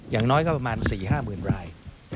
อย่างน้อยก็ประมาณ๔๕๐๐๐ราย